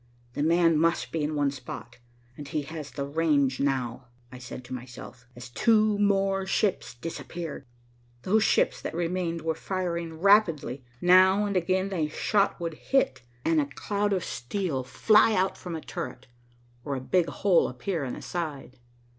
"'The man' must be in one spot, and he has the range now," I said to myself, as two more ships disappeared. Those ships that remained were firing rapidly. Now and again a shot would hit, and a cloud of steel fly out from a turret, or a big hole appear in a side.